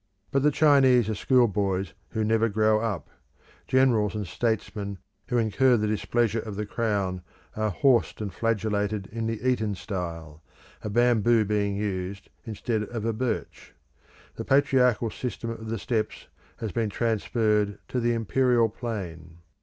But the Chinese are schoolboys who never grow up; generals and statesmen who incur the displeasure of the Crown are horsed and flagellated in the Eton style, a bamboo being used instead of a birch. The patriarchal system of the steppes has been transferred to the imperial plain.